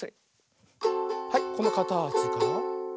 はいこのかたちから。